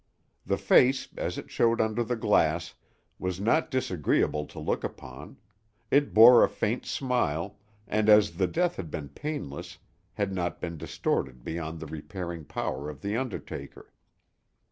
The face, as it showed under the glass, was not disagreeable to look upon: it bore a faint smile, and as the death had been painless, had not been distorted beyond the repairing power of the undertaker.